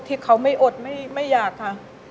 ที่เขาไม่อดไม่อยากค่ะ